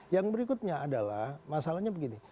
yang berikutnya adalah masalahnya begini